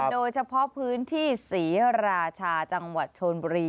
โดยเฉพาะพื้นที่ศรีราชาจังหวัดชนบุรี